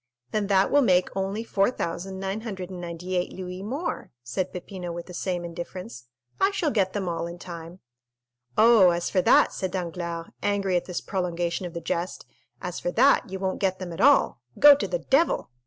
"Then that will make only 4,998 louis more," said Peppino with the same indifference. "I shall get them all in time." "Oh, as for that," said Danglars, angry at this prolongation of the jest,—"as for that you won't get them at all. Go to the devil!